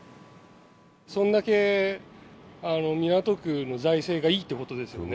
そんだけ港区の財政がいいっていうことですよね。